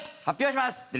発表します！